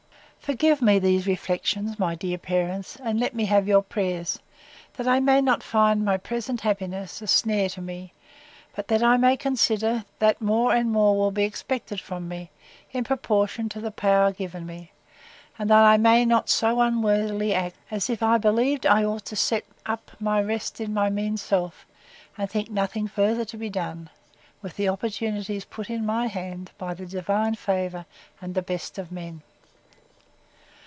Forgive me these reflections, my dear parents; and let me have your prayers, that I may not find my present happiness a snare to me; but that I may consider, that more and more will be expected from me, in proportion to the power given me; and that I may not so unworthily act, as if I believed I ought to set up my rest in my mean self, and think nothing further to be done, with the opportunities put into my hand, by the divine favour, and the best of men!